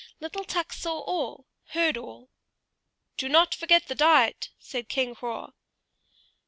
Little Tuk saw all, heard all. "Do not forget the diet," said King Hroar.